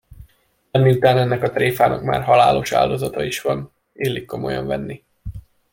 De miután ennek a tréfának már halálos áldozata is van, illik komolyan venni.